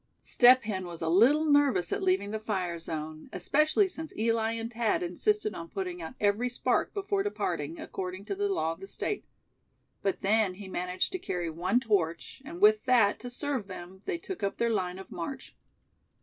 Step Hen was a little nervous at leaving the fire zone, especially since Eli and Thad insisted on putting out every spark before departing, according to the law of the State; but then he managed to carry one torch, and with that to serve them, they took up their line of march.